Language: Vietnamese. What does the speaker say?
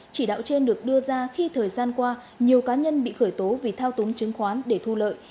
chỉ đạo trên được đưa ra khi thời gian qua nhiều cá nhân bị khởi tố vì thao túng chứng khoán để thu lợi